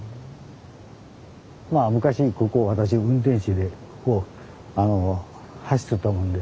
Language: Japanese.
まあ昔ここを私運転士でここを走っとったもんで。